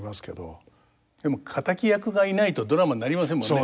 でも敵役がいないとドラマになりませんもんね。